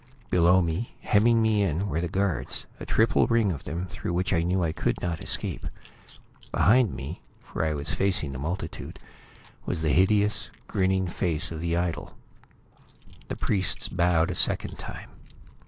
Below me, hemming me in, were the guards; a triple ring of them, through which I knew I could not escape. Behind me, for I was facing the multitude, was the hideous, grinning face of the idol. The priests bowed a second time.